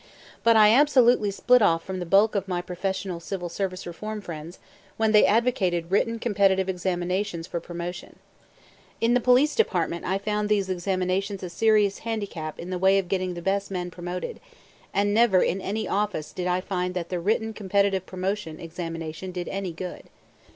But I absolutely split off from the bulk of my professional Civil Service Reform friends when they advocated written competitive examinations for promotion. In the Police Department I found these examinations a serious handicap in the way of getting the best men promoted, and never in any office did I find that the written competitive promotion examination did any good.